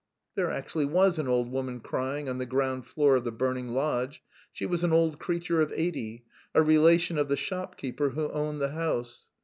There actually was an old woman crying on the ground floor of the burning lodge. She was an old creature of eighty, a relation of the shopkeeper who owned the house.